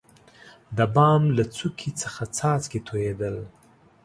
دبام له څوکي څخه څاڅکي تویدل.